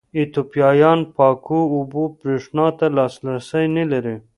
ایتوپیایان پاکو اوبو برېښنا ته لاسرسی نه لري.